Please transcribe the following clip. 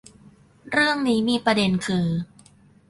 เรื่องนี้มีประเด็นคือ